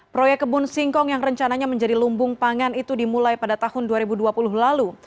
proyek kebun singkong yang rencananya menjadi lumbung pangan itu dimulai pada tahun dua ribu dua puluh lalu